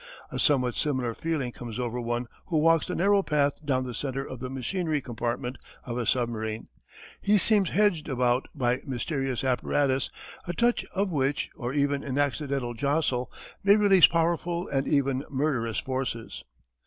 A somewhat similar feeling comes over one who walks the narrow path down the centre of the machinery compartment of a submarine. He seems hedged about by mysterious apparatus a touch of which, or even an accidental jostle may release powerful and even murderous forces.